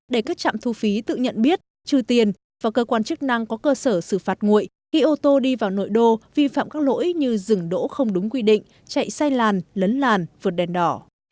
để các trạm thu phí tự nhận biết trừ tiền và cơ quan chức năng có cơ sở xử phạt nguội khi ô tô đi vào nội đô vi phạm các lỗi như dừng đỗ không đúng quy định chạy sai làn lấn làn vượt đèn đỏ